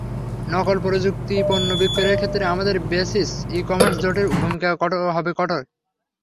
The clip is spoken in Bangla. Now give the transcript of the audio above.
নকল প্রযুক্তিপণ্য বিক্রয়ের ক্ষেত্রে আমাদের বেসিস ই-কমার্স জোটের ভূমিকা হবে কঠোর।